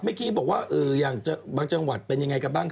เมื่อกี้บอกว่าอย่างบางจังหวัดเป็นยังไงกันบ้าง